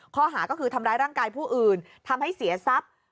ข้อหาก็คือทำร้ายร่างกายผู้อื่นทำให้เสียทรัพย์